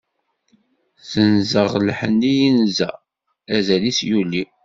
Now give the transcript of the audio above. Senzeɣ lḥenni yenza, azal-is yuli.